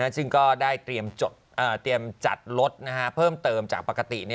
ซึ่งก็ได้เตรียมจัดรถเพิ่มเติมจากปกติ